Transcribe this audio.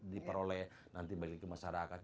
diperoleh nanti ke masyarakat